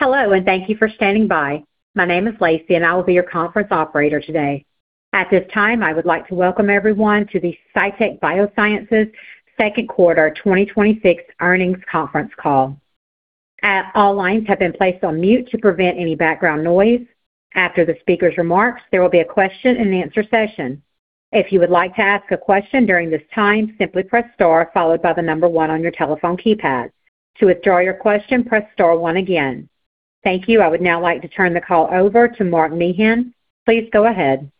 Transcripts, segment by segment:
Hello, and thank you for standing by. My name is Lacey, and I will be your conference operator today. At this time, I would like to welcome everyone to the Cytek Biosciences Second Quarter 2026 Earnings Conference Call. All lines have been placed on mute to prevent any background noise. After the speaker's remarks, there will be a question and answer session. If you would like to ask a question during this time, simply press star followed by the number one on your telephone keypad. To withdraw your question, press star one again. Thank you. I would now like to turn the call over to Mark Meehan. Please go ahead.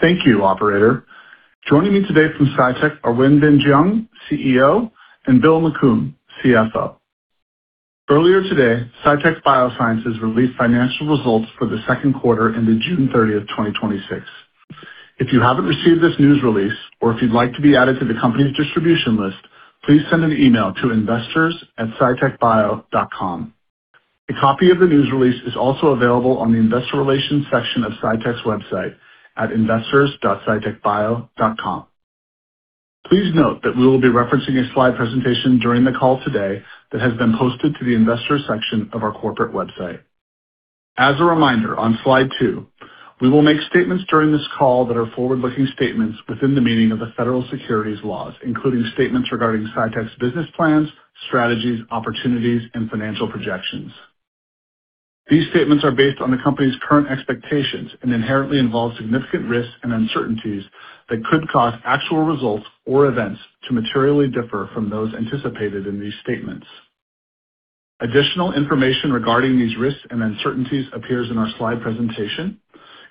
Thank you, operator. Joining me today from Cytek are Wenbin Jiang, CEO, and Bill McCombe, CFO. Earlier today, Cytek Biosciences released financial results for the second quarter ended June 30th, 2026. If you haven't received this news release or if you'd like to be added to the company's distribution list, please send an email to investors@cytekbio.com. A copy of the news release is also available on the investor relations section of Cytek's website at investors.cytekbio.com. As a reminder, on Slide 2, we will make statements during this call that are forward-looking statements within the meaning of the Federal Securities laws, including statements regarding Cytek's business plans, strategies, opportunities, and financial projections. These statements are based on the company's current expectations and inherently involve significant risks and uncertainties that could cause actual results or events to materially differ from those anticipated in these statements. Additional information regarding these risks and uncertainties appears in our slide presentation,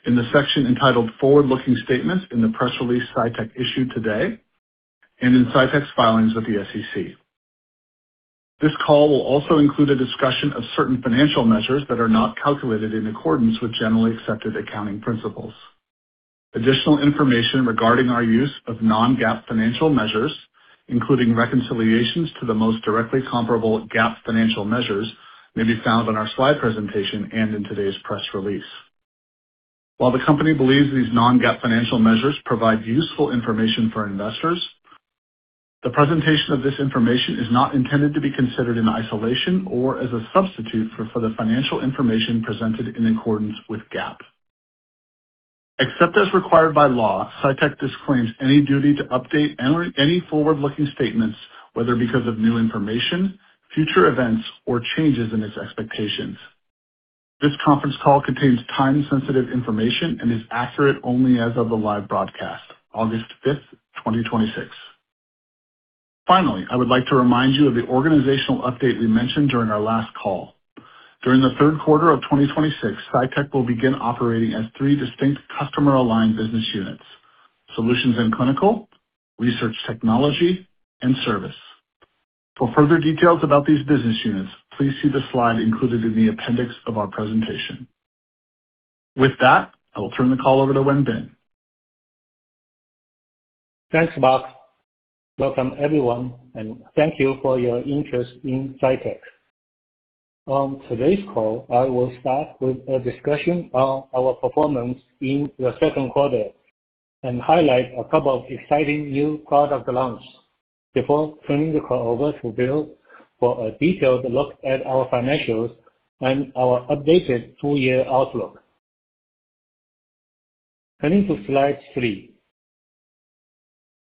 in the section entitled Forward-Looking Statements in the press release Cytek issued today, and in Cytek's filings with the SEC. This call will also include a discussion of certain financial measures that are not calculated in accordance with generally accepted accounting principles. Additional information regarding our use of non-GAAP financial measures, including reconciliations to the most directly comparable GAAP financial measures, may be found on our slide presentation and in today's press release. While the company believes these non-GAAP financial measures provide useful information for investors, the presentation of this information is not intended to be considered in isolation or as a substitute for the financial information presented in accordance with GAAP. Except as required by law, Cytek disclaims any duty to update any forward-looking statements, whether because of new information, future events, or changes in its expectations. This conference call contains time-sensitive information and is accurate only as of the live broadcast, August fifth, 2026. Finally, I would like to remind you of the organizational update we mentioned during our last call. During the third quarter of 2026, Cytek will begin operating as three distinct customer-aligned business units: Solutions and Clinical, Research Technology, and Service. For further details about these business units, please see the slide included in the appendix of our presentation. With that, I will turn the call over to Wenbin. Thanks, Mark. Welcome everyone, and thank you for your interest in Cytek. On today's call, I will start with a discussion on our performance in the second quarter and highlight a couple of exciting new product launches before turning the call over to Bill for a detailed look at our financials and our updated full-year outlook. Turning to Slide three.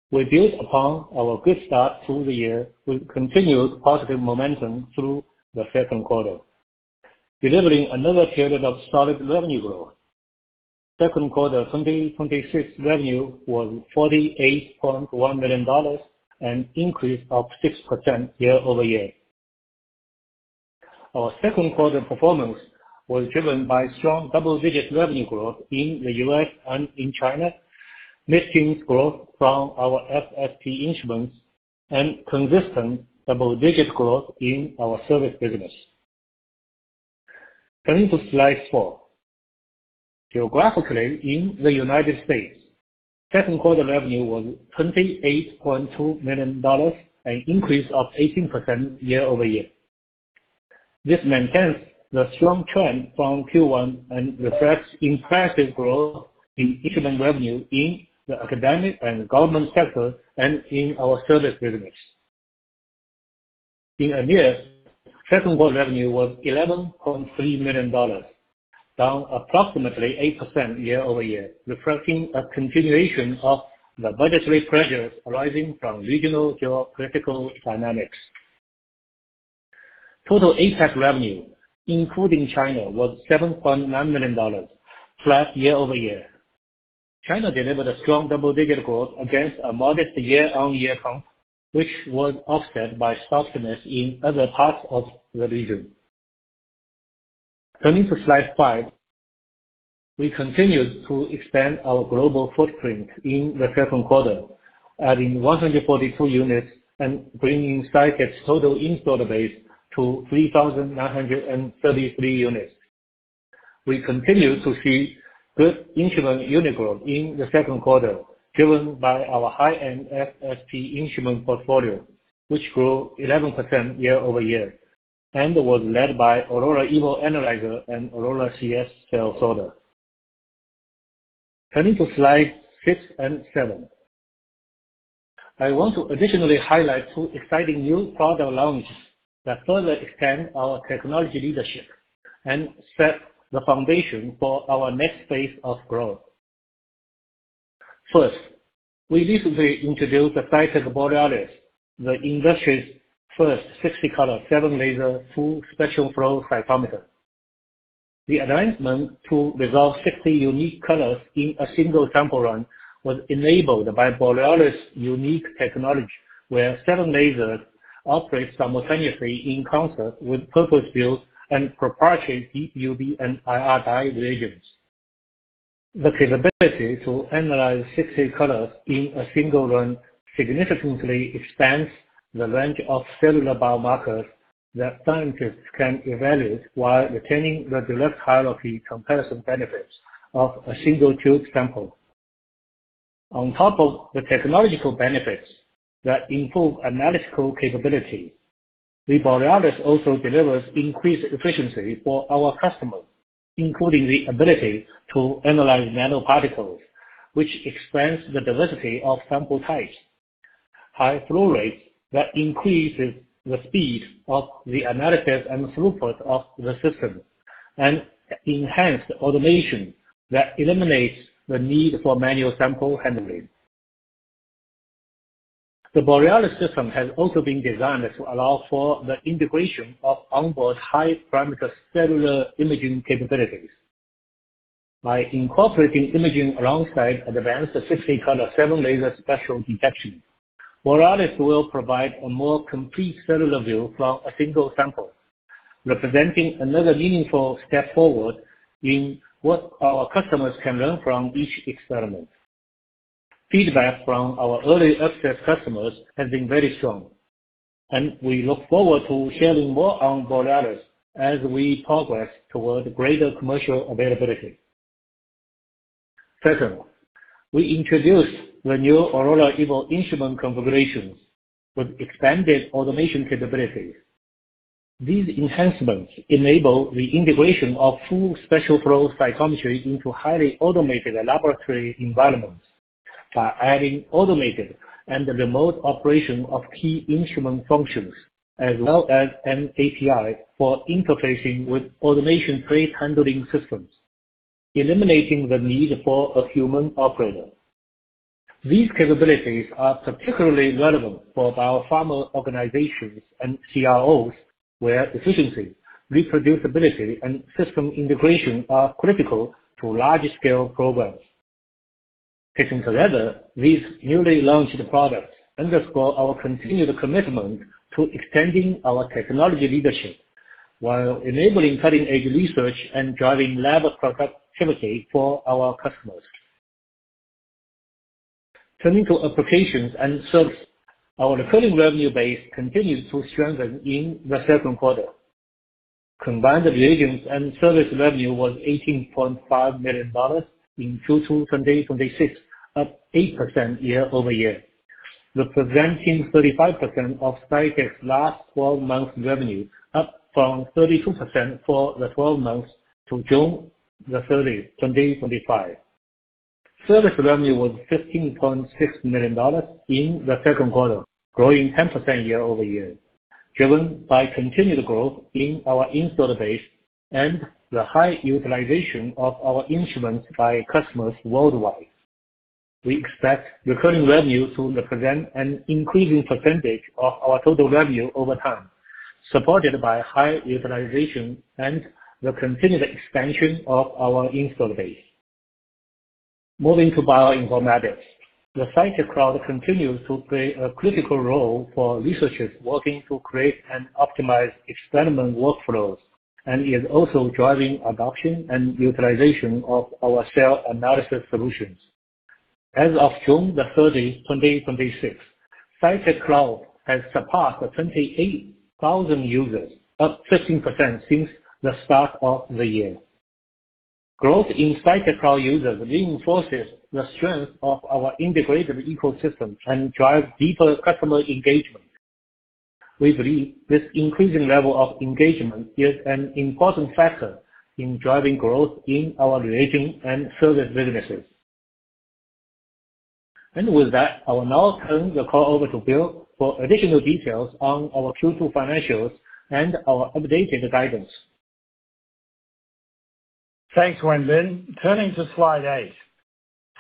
We built upon our good start to the year with continued positive momentum through the second quarter, delivering another period of solid revenue growth. Second quarter 2026 revenue was $48.1 million, an increase of 6% year-over-year. Our second quarter performance was driven by strong double-digit revenue growth in the U.S. and in China, mix gains growth from our FSP instruments, and consistent double-digit growth in our service business. Turning to Slide four. Geographically, in the United States, second quarter revenue was $28.2 million, an increase of 18% year-over-year. This maintains the strong trend from Q1 and reflects impressive growth in instrument revenue in the academic and government sector and in our service business. In EMEA, second quarter revenue was $11.3 million, down approximately 8% year-over-year, reflecting a continuation of the budgetary pressures arising from regional geopolitical dynamics. Total APAC revenue, including China, was $7.9 million, flat year-over-year. China delivered a strong double-digit growth against a modest year-on-year comp, which was offset by softness in other parts of the region. Turning to Slide five. We continued to expand our global footprint in the second quarter, adding 142 units and bringing Cytek's total install base to 3,933 units. We continued to see good instrument unit growth in the second quarter, driven by our high-end FSP instrument portfolio, which grew 11% year-over-year and was led by Aurora Evo Analyzer and Aurora CS Cell Sorter. Turning to slides six and seven. I want to additionally highlight two exciting new product launches that further extend our technology leadership and set the foundation for our next phase of growth. First, I recently introduced the Cytek Borealis, the industry's first 60-color, seven-laser, full spectral-flow cytometer. The advancement to resolve 60 unique colors in a single sample run was enabled by Borealis' unique technology, where seven lasers operate simultaneously in concert with purpose-built and proprietary deep UV and IR dye reagents. The capability to analyze 60 colors in a single run significantly expands the range of cellular biomarkers that scientists can evaluate while retaining the direct hierarchy comparison benefits of a single-tube sample. On top of the technological benefits that improve analytical capability, the Borealis also delivers increased efficiency for our customers, including the ability to analyze nanoparticles, which expands the diversity of sample types, high flow rates that increases the speed of the analysis and throughput of the system, and enhanced automation that eliminates the need for manual sample handling. The Borealis system has also been designed to allow for the integration of onboard high-parameter cellular imaging capabilities. By incorporating imaging alongside advanced full spectrum seven-laser spectral detection, Borealis will provide a more complete cellular view from a single sample, representing another meaningful step forward in what our customers can learn from each experiment. Feedback from our early access customers has been very strong, and we look forward to sharing more on Borealis as we progress toward greater commercial availability. Second, we introduced the new Aurora Evo instrument configurations with expanded automation capabilities. These enhancements enable the integration of full spectral-flow cytometry into highly automated laboratory environments by adding automated and remote operation of key instrument functions, as well as an API for interfacing with automation plate handling systems, eliminating the need for a human operator. These capabilities are particularly relevant for biopharma organizations and CROs, where efficiency, reproducibility, and system integration are critical to large-scale programs. Taken together, these newly launched products underscore our continued commitment to extending our technology leadership while enabling cutting-edge research and driving lab productivity for our customers. Turning to applications and service. Our recurring revenue base continued to strengthen in the second quarter. Combined reagents and service revenue was $18.5 million in Q2 2026, up 8% year-over-year, representing 35% of Cytek's last 12 months revenue, up from 32% for the 12 months to June the 30th, 2025. Service revenue was $15.6 million in the second quarter, growing 10% year-over-year, driven by continued growth in our installed base and the high utilization of our instruments by customers worldwide. We expect recurring revenue to represent an increasing percentage of our total revenue over time, supported by high utilization and the continued expansion of our installed base. Moving to bioinformatics. The Cytek Cloud continues to play a critical role for researchers working to create and optimize experiment workflows and is also driving adoption and utilization of our cell analysis solutions. As of June the 30th, 2026, Cytek Cloud has surpassed 28,000 users, up 15% since the start of the year. Growth in Cytek Cloud users reinforces the strength of our integrated ecosystem and drives deeper customer engagement. We believe this increasing level of engagement is an important factor in driving growth in our reagent and service businesses. With that, I will now turn the call over to Bill for additional details on our Q2 financials and our updated guidance. Thanks, Wenbin. Turning to slide eight.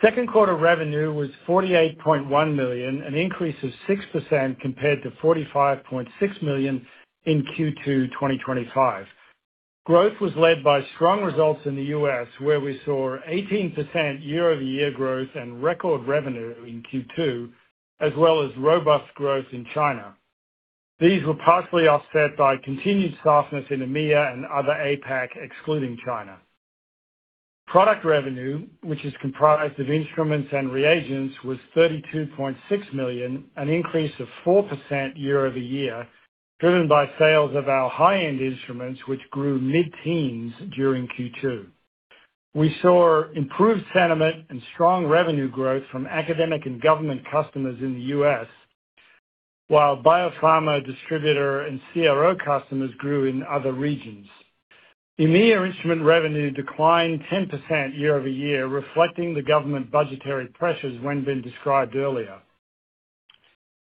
Second quarter revenue was $48.1 million, an increase of 6% compared to $45.6 million in Q2 2025. Growth was led by strong results in the U.S., where we saw 18% year-over-year growth and record revenue in Q2, as well as robust growth in China. These were partially offset by continued softness in EMEA and other APAC, excluding China. Product revenue, which is comprised of instruments and reagents, was $32.6 million, an increase of 4% year-over-year, driven by sales of our high-end instruments, which grew mid-teens during Q2. We saw improved sentiment and strong revenue growth from academic and government customers in the U.S. While biopharma distributor and CRO customers grew in other regions. EMEA instrument revenue declined 10% year-over-year, reflecting the government budgetary pressures Wenbin described earlier.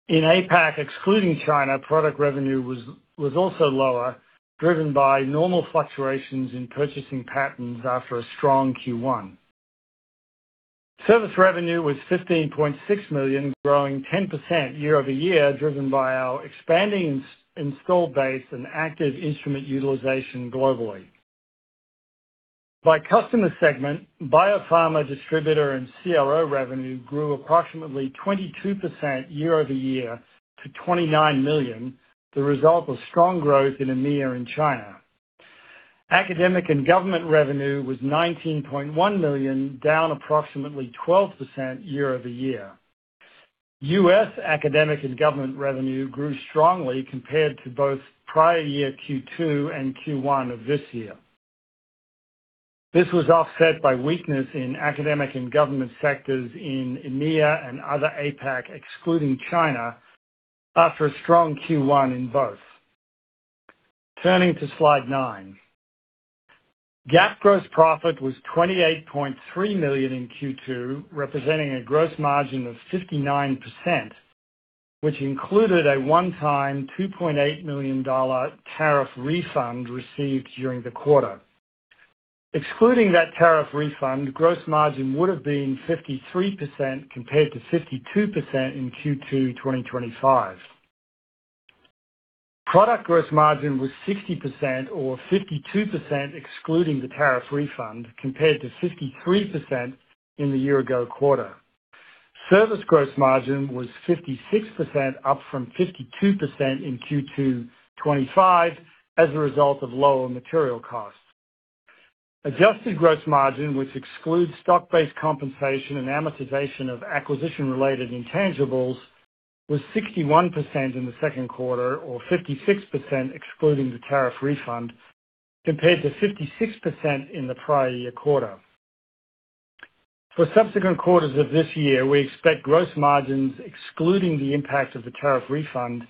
In APAC, excluding China, product revenue was also lower, driven by normal fluctuations in purchasing patterns after a strong Q1. Service revenue was $15.6 million, growing 10% year-over-year, driven by our expanding installed base and active instrument utilization globally. By customer segment, biopharma distributor and CRO revenue grew approximately 22% year-over-year to $29 million, the result of strong growth in EMEA and China. Academic and government revenue was $19.1 million, down approximately 12% year-over-year. U.S. academic and government revenue grew strongly compared to both prior year Q2 and Q1 of this year. This was offset by weakness in academic and government sectors in EMEA and other APAC excluding China, after a strong Q1 in both. Turning to slide nine. GAAP gross profit was $28.3 million in Q2, representing a gross margin of 59%, which included a one-time $2.8 million tariff refund received during the quarter. Excluding that tariff refund, gross margin would've been 53% compared to 52% in Q2 2025. Product gross margin was 60%, or 52% excluding the tariff refund, compared to 53% in the year ago quarter. Service gross margin was 56%, up from 52% in Q2 2025 as a result of lower material costs. Adjusted gross margin, which excludes stock-based compensation and amortization of acquisition-related intangibles, was 61% in the second quarter, or 56% excluding the tariff refund, compared to 56% in the prior year quarter. For subsequent quarters of this year, we expect gross margins excluding the impact of the tariff refund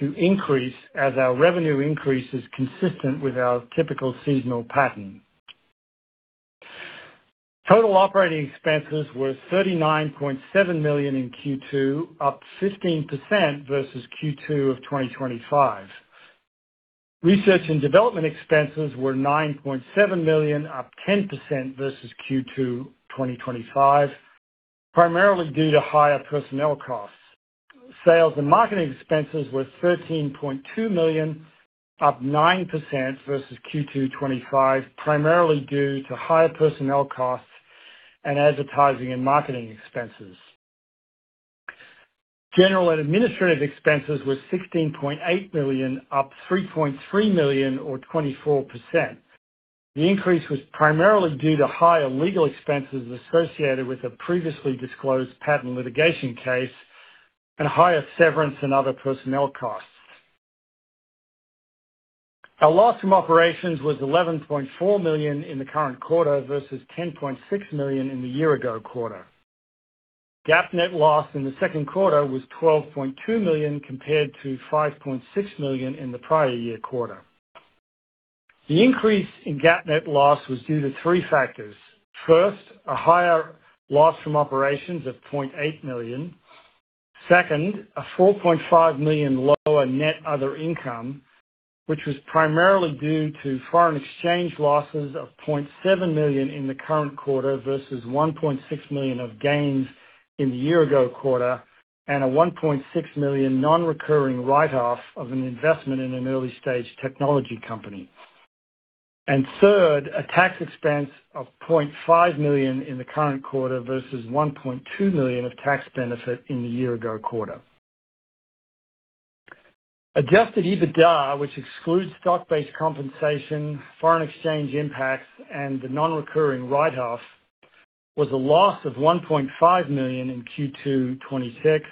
to increase as our revenue increase is consistent with our typical seasonal pattern. Total operating expenses were $39.7 million in Q2, up 15% versus Q2 of 2025. Research and Development expenses were $9.7 million, up 10% versus Q2 2025, primarily due to higher personnel costs. Sales and Marketing expenses were $13.2 million, up 9% versus Q2 2025, primarily due to higher personnel costs and advertising and marketing expenses. General and Administrative expenses were $16.8 million, up $3.3 million or 24%. The increase was primarily due to higher legal expenses associated with the previously disclosed patent litigation case and higher severance and other personnel costs. Our loss from operations was $11.4 million in the current quarter versus $10.6 million in the year ago quarter. GAAP net loss in the second quarter was $12.2 million, compared to $5.6 million in the prior year quarter. The increase in GAAP net loss was due to three factors. First, a higher loss from operations of $0.8 million. Second, a $4.5 million lower net other income, which was primarily due to foreign exchange losses of $0.7 million in the current quarter versus $1.6 million of gains in the year ago quarter, and a $1.6 million non-recurring write-off of an investment in an early-stage technology company. Third, a tax expense of $0.5 million in the current quarter versus $1.2 million of tax benefit in the year ago quarter. Adjusted EBITDA, which excludes stock-based compensation, foreign exchange impacts, and the non-recurring write-off, was a loss of $1.5 million in Q2 2026,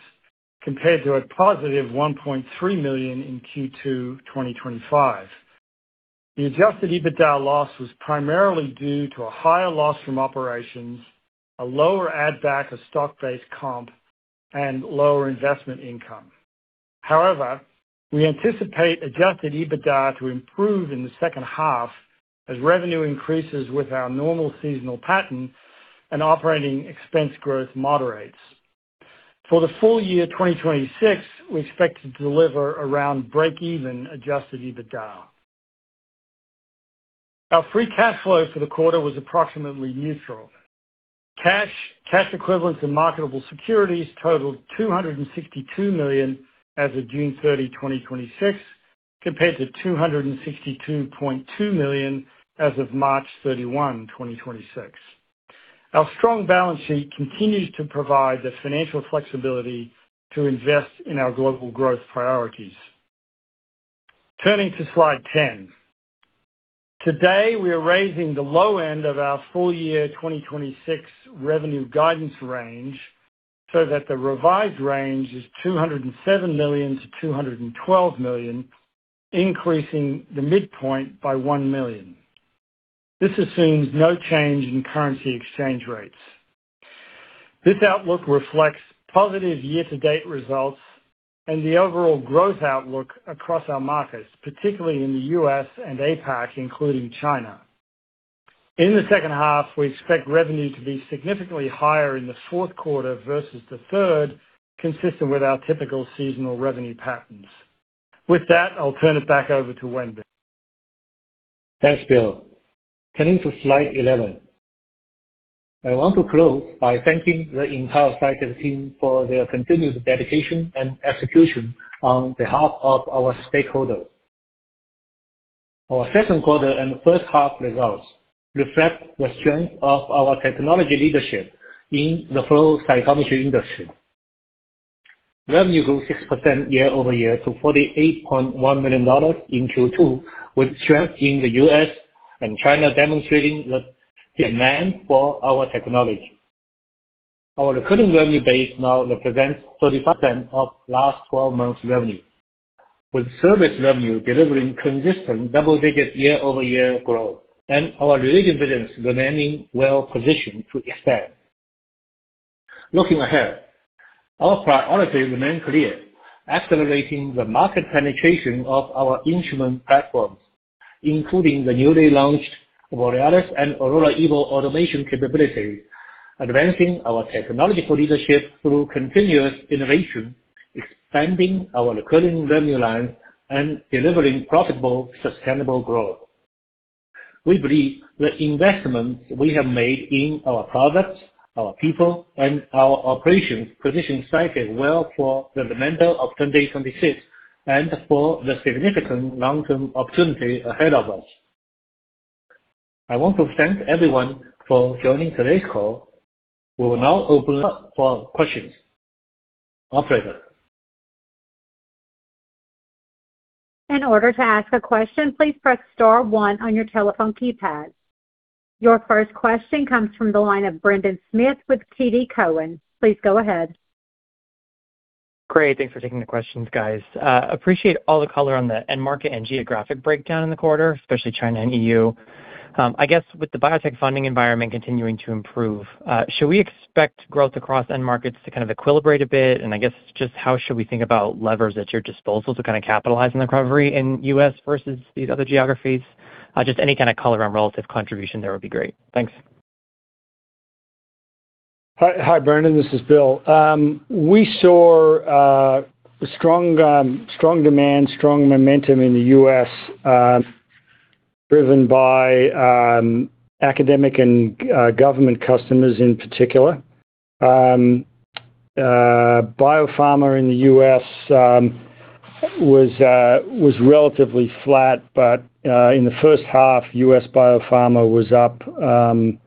compared to a positive $1.3 million in Q2 2025. The adjusted EBITDA loss was primarily due to a higher loss from operations, a lower add back of stock-based comp, and lower investment income. However, we anticipate adjusted EBITDA to improve in the second half as revenue increases with our normal seasonal pattern and operating expense growth moderates. For the full year 2026, we expect to deliver around breakeven adjusted EBITDA. Our free cash flow for the quarter was approximately neutral. Cash, cash equivalents, and marketable securities totaled $262 million as of June 30, 2026, compared to $262.2 million as of March 31, 2026. Our strong balance sheet continues to provide the financial flexibility to invest in our global growth priorities. Turning to slide ten. Today, we are raising the low end of our full year 2026 revenue guidance range so that the revised range is $207 million-$212 million, increasing the midpoint by $1 million. This assumes no change in currency exchange rates. This outlook reflects positive year-to-date results and the overall growth outlook across our markets, particularly in the U.S. and APAC, including China. In the second half, we expect revenue to be significantly higher in the fourth quarter versus the third, consistent with our typical seasonal revenue patterns. With that, I'll turn it back over to Wenbin. Thanks, Bill. Turning to slide 11. I want to close by thanking the entire Cytek team for their continuous dedication and execution on behalf of our stakeholders. Our second quarter and first half results reflect the strength of our technology leadership in the flow cytometry industry. Revenue grew 6% year-over-year to $48.1 million in Q2, with strength in the U.S. and China demonstrating the demand for our technology. Our recurring revenue base now represents 35% of last 12 months revenue, with service revenue delivering consistent double-digit year-over-year growth, and our related business remaining well-positioned to expand. Looking ahead, our priorities remain clear. Accelerating the market penetration of our instrument platforms, including the newly launched Borealis and Aurora Evo automation capabilities, advancing our technological leadership through continuous innovation, expanding our recurring revenue line, and delivering profitable, sustainable growth. We believe the investments we have made in our products, our people, and our operations position Cytek well for fundamental operational success and for the significant long-term opportunity ahead of us. I want to thank everyone for joining today's call. We will now open up for questions. Operator? In order to ask a question, please press star one on your telephone keypad. Your first question comes from the line of Brendan Smith with TD Cowen. Please go ahead. Great. Thanks for taking the questions, guys. Appreciate all the color on the end market and geographic breakdown in the quarter, especially China and EU. I guess with the biotech funding environment continuing to improve, should we expect growth across end markets to kind of equilibrate a bit? I guess just how should we think about levers at your disposal to capitalize on the recovery in U.S. versus these other geographies? Just any kind of color on relative contribution there would be great. Thanks. Hi, Brendan. This is Bill. We saw strong demand, strong momentum in the U.S., driven by academic and government customers in particular. Biopharma in the U.S. was relatively flat, but in the first half, U.S. Biopharma was up in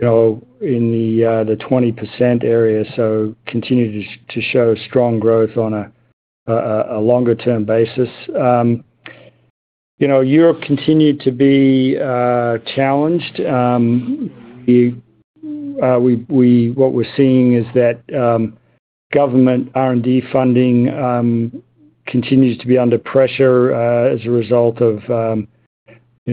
the 20% area, so continued to show strong growth on a longer-term basis. Europe continued to be challenged. What we're seeing is that government R&D funding continues to be under pressure as a result of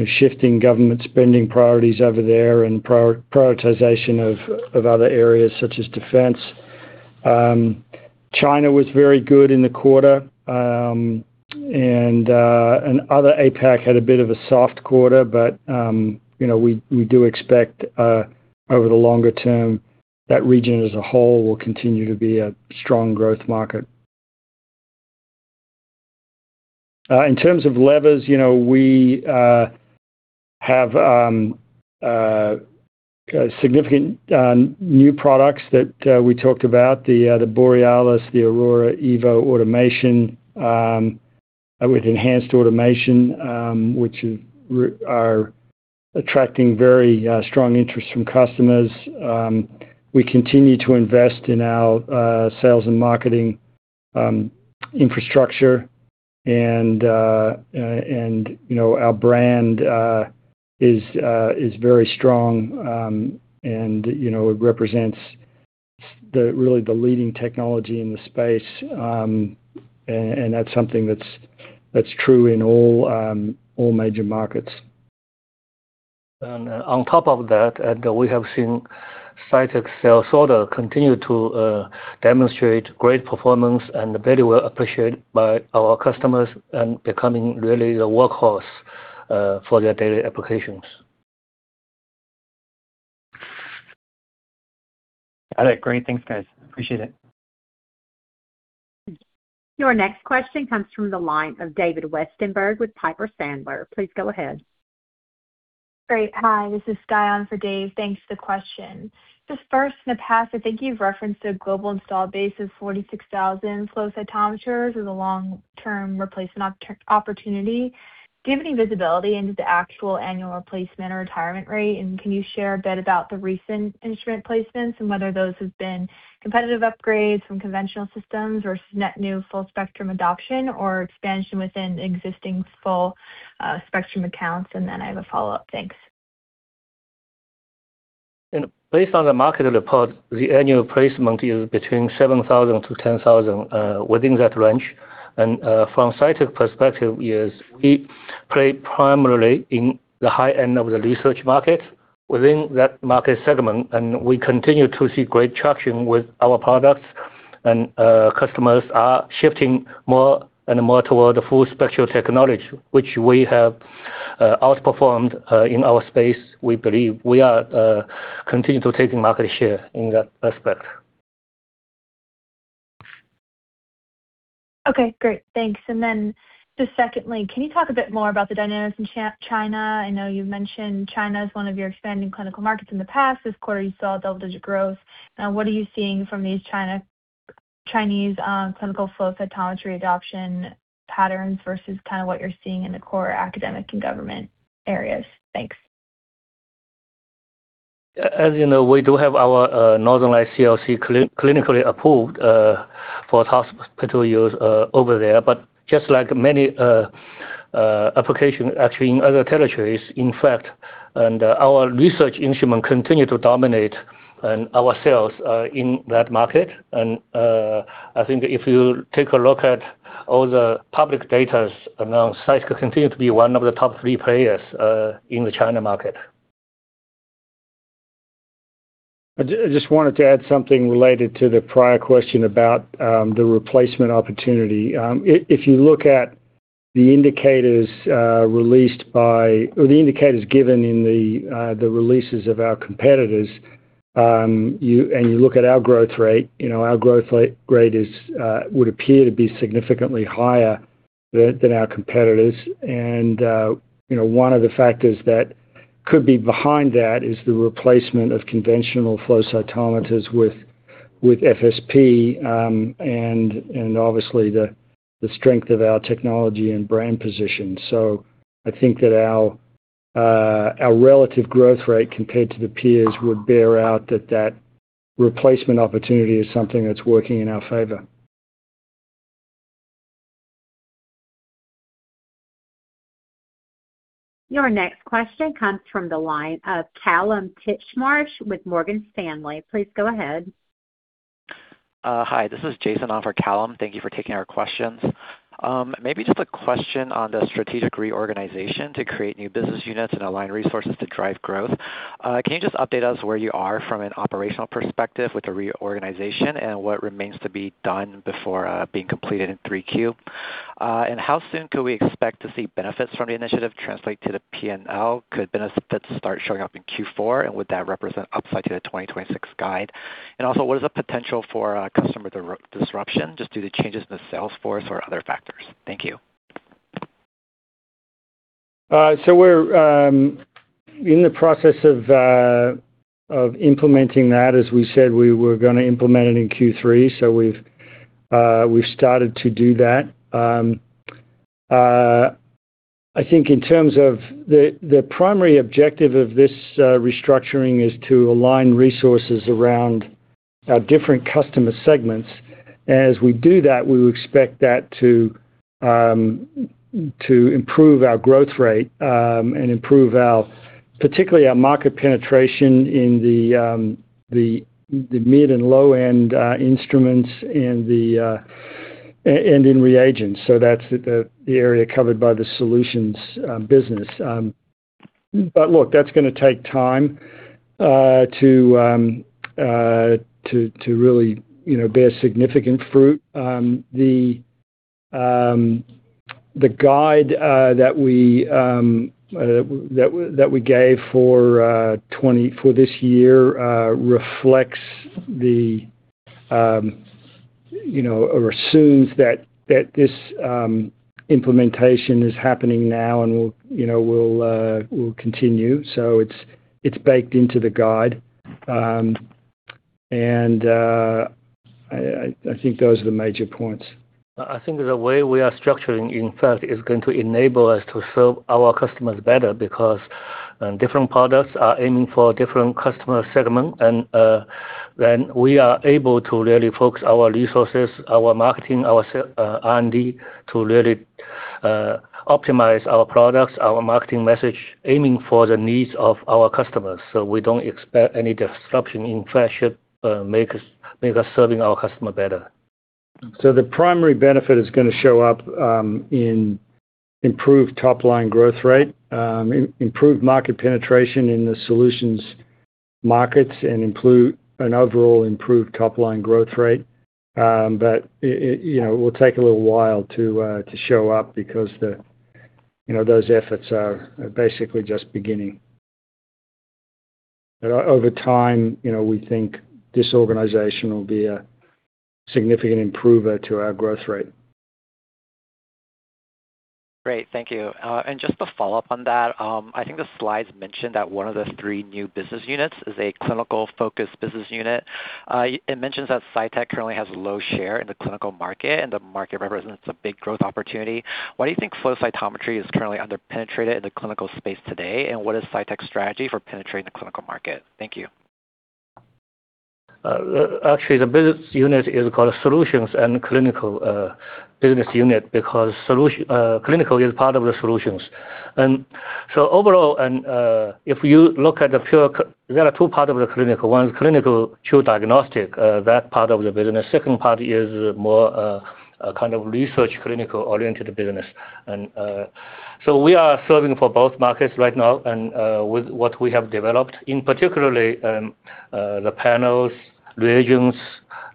shifting government spending priorities over there and prioritization of other areas such as defense. China was very good in the quarter, and other APAC had a bit of a soft quarter, but we do expect, over the longer term, that region as a whole will continue to be a strong growth market. In terms of levers, we have significant new products that we talked about, the Borealis, the Aurora Evo automation with enhanced automation, which are attracting very strong interest from customers. We continue to invest in our sales and marketing infrastructure. Our brand is very strong, and it represents really the leading technology in the space. That's something that's true in all major markets. On top of that, we have seen Cytek sales order continue to demonstrate great performance and very well appreciated by our customers and becoming really the workhorse for their daily applications. All right. Great. Thanks, guys. Appreciate it. Your next question comes through the line of David Westenberg with Piper Sandler. Please go ahead. Great. Hi, this is Skye on for Dave. Thanks for the question. First, in the past, I think you've referenced a global installed base of 46,000 flow cytometers as a long-term replacement opportunity. Do you have any visibility into the actual annual replacement or retirement rate? Can you share a bit about the recent instrument placements and whether those have been competitive upgrades from conventional systems or just net new full spectrum adoption or expansion within existing full spectrum accounts? Then I have a follow-up. Thanks. Based on the market report, the annual placement is between 7,000-10,000, within that range. From Cytek's perspective is we play primarily in the high end of the research market, within that market segment, and we continue to see great traction with our products. Customers are shifting more and more toward the full spectral technology, which we have outperformed in our space. We believe we are continuing to taking market share in that aspect. Okay, great. Thanks. Then just secondly, can you talk a bit more about the dynamics in China? I know you've mentioned China as one of your expanding clinical markets in the past. This quarter, you saw double-digit growth. What are you seeing from these Chinese clinical flow cytometry adoption patterns versus what you're seeing in the core academic and government areas? Thanks. As you know, we do have our Northern Lights-CLC clinically approved for hospital use over there. Just like many applications actually in other territories, in fact, our research instrument continue to dominate our sales in that market. I think if you take a look at all the public datas around, Cytek continue to be one of the top three players in the China market. I just wanted to add something related to the prior question about the replacement opportunity. If you look at the indicators given in the releases of our competitors, and you look at our growth rate, our growth rate would appear to be significantly higher than our competitors. One of the factors that could be behind that is the replacement of conventional flow cytometers with FSP, and obviously, the strength of our technology and brand position. I think that our relative growth rate compared to the peers would bear out that replacement opportunity is something that's working in our favor. Your next question comes from the line of Callum Maclean with Morgan Stanley. Please go ahead. Hi, this is Jason on for Calum. Thank you for taking our questions. Maybe just a question on the strategic reorganization to create new business units and align resources to drive growth. Can you just update us where you are from an operational perspective with the reorganization and what remains to be done before being completed in 3Q? How soon could we expect to see benefits from the initiative translate to the P&L? Could benefits start showing up in Q4, and would that represent upside to the 2026 guide? Also, what is the potential for customer disruption, just due to changes in the sales force or other factors? Thank you. We're in the process of implementing that. As we said, we were going to implement it in Q3, we've started to do that. I think in terms of the primary objective of this restructuring is to align resources around our different customer segments. As we do that, we would expect that to improve our growth rate, and improve particularly our market penetration in the mid and low-end instruments and in reagents. That's the area covered by the Solutions business. Look, that's going to take time to really bear significant fruit. The guide that we gave for this year reflects the, or assumes that this implementation is happening now and will continue. It's baked into the guide. I think those are the major points. I think the way we are structuring, in fact, is going to enable us to serve our customers better because different products are aiming for different customer segment. We are able to really focus our resources, our marketing, our R&D to really optimize our products, our marketing message, aiming for the needs of our customers. We don't expect any disruption. In fact, it should make us serving our customer better. The primary benefit is going to show up in improved top-line growth rate, improved market penetration in the solutions markets, and an overall improved top-line growth rate. It will take a little while to show up because those efforts are basically just beginning. Over time, we think this organization will be a significant improver to our growth rate. Great. Thank you. Just to follow up on that, I think the slides mentioned that one of the three new business units is a clinical-focused business unit. It mentions that Cytek currently has low share in the clinical market, and the market represents a big growth opportunity. Why do you think flow cytometry is currently under-penetrated in the clinical space today, and what is Cytek's strategy for penetrating the clinical market? Thank you. Actually, the business unit is called Solutions and Clinical business unit because clinical is part of the solutions. Overall, if you look at the pure, there are two part of the clinical. One is clinical true diagnostic, that part of the business. Second part is more kind of research, clinical-oriented business. We are serving for both markets right now and, with what we have developed in particularly, the panels, reagents,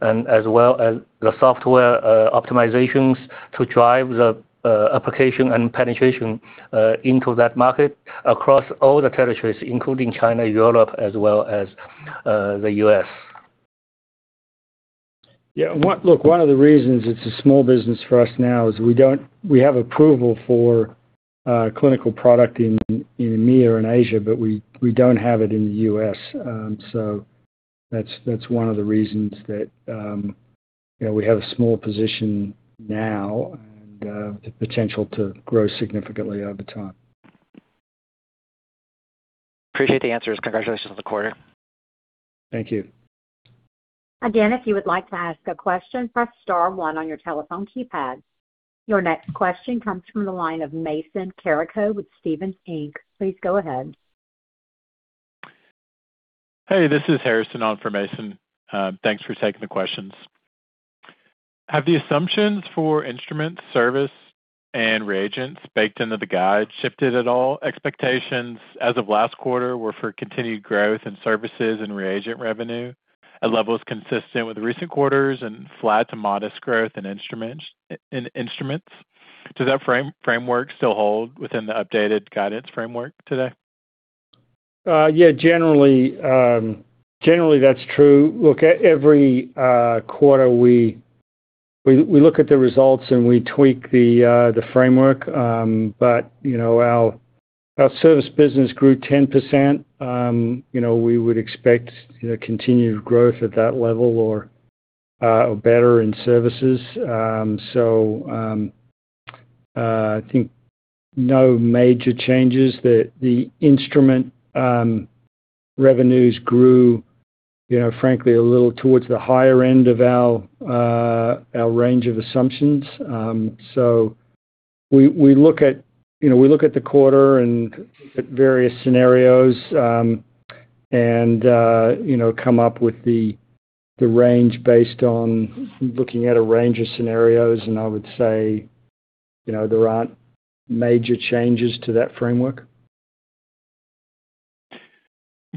and as well as the software optimizations to drive the application and penetration into that market across all the territories, including China, Europe, as well as the U.S. Yeah. Look, one of the reasons it's a small business for us now is we have approval for clinical product in EMEA and Asia, but we don't have it in the U.S. That's one of the reasons that we have a small position now and the potential to grow significantly over time. Appreciate the answers. Congratulations on the quarter. Thank you. Again, if you would like to ask a question, press star one on your telephone keypad. Your next question comes from the line of Mason Carico with Stephens Inc. Please go ahead. Hey, this is Harrison on for Mason. Thanks for taking the questions. Have the assumptions for instruments, service, and reagents baked into the guide shifted at all? Expectations as of last quarter were for continued growth in services and reagent revenue at levels consistent with recent quarters and flat to modest growth in instruments. Does that framework still hold within the updated guidance framework today? Yeah, generally, that's true. Look, every quarter, we look at the results, and we tweak the framework. Our service business grew 10%. We would expect continued growth at that level or better in services. I think no major changes. The instrument revenues grew, frankly, a little towards the higher end of our range of assumptions. We look at the quarter and at various scenarios, and come up with the range based on looking at a range of scenarios. I would say there aren't major changes to that framework.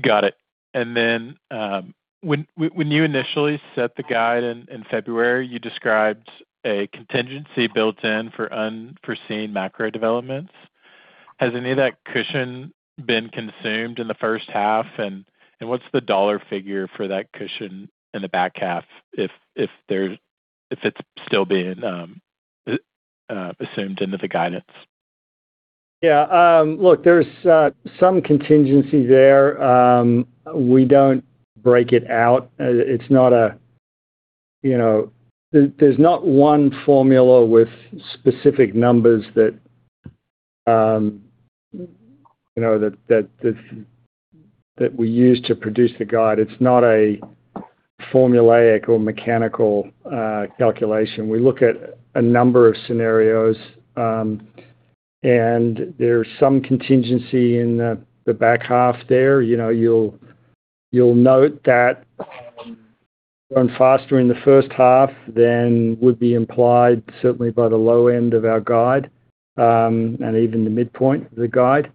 Got it. When you initially set the guide in February, you described a contingency built in for unforeseen macro developments. Has any of that cushion been consumed in the first half? What's the dollar figure for that cushion in the back half if it's still being assumed into the guidance? Yeah. Look, there's some contingency there. We don't break it out. There's not one formula with specific numbers that we use to produce the guide. It's not a formulaic or mechanical calculation. We look at a number of scenarios. There's some contingency in the back half there. You'll note that grown faster in the first half than would be implied, certainly by the low end of our guide, and even the midpoint of the guide.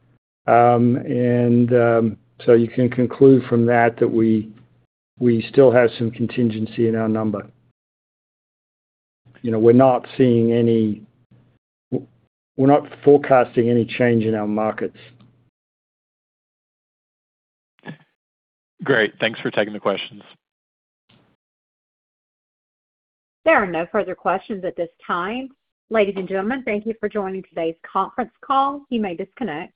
You can conclude from that we still have some contingency in our number. We're not forecasting any change in our markets. Great. Thanks for taking the questions. There are no further questions at this time. Ladies and gentlemen, thank you for joining today's conference call. You may disconnect.